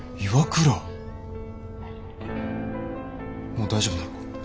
もう大丈夫なのか？